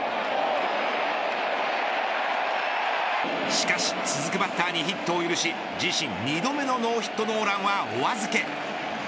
しかし続くバッターにヒットを許し自身２度目のノーヒットノーランはお預け。